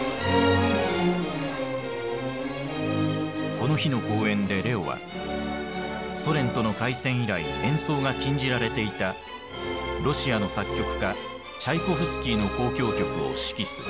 この日の公演でレオはソ連との開戦以来演奏が禁じられていたロシアの作曲家チャイコフスキーの交響曲を指揮する。